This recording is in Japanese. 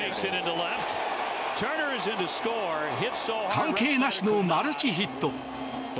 関係なしのマルチヒット。